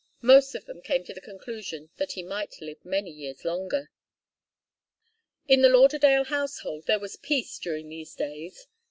Most of them came to the conclusion that he might live many years longer. In the Lauderdale household there was peace during these days.